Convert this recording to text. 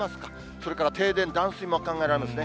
それから停電、断水も考えられますね。